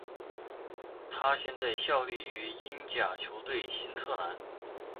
他现在效力于英甲球队新特兰。